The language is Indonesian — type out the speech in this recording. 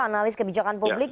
analis kebijakan publik